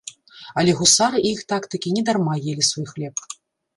Але гусары і іх тактыкі недарма елі свой хлеб.